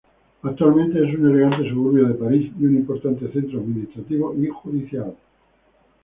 Actualmente es un elegante suburbio de París y un importante centro administrativo y judicial.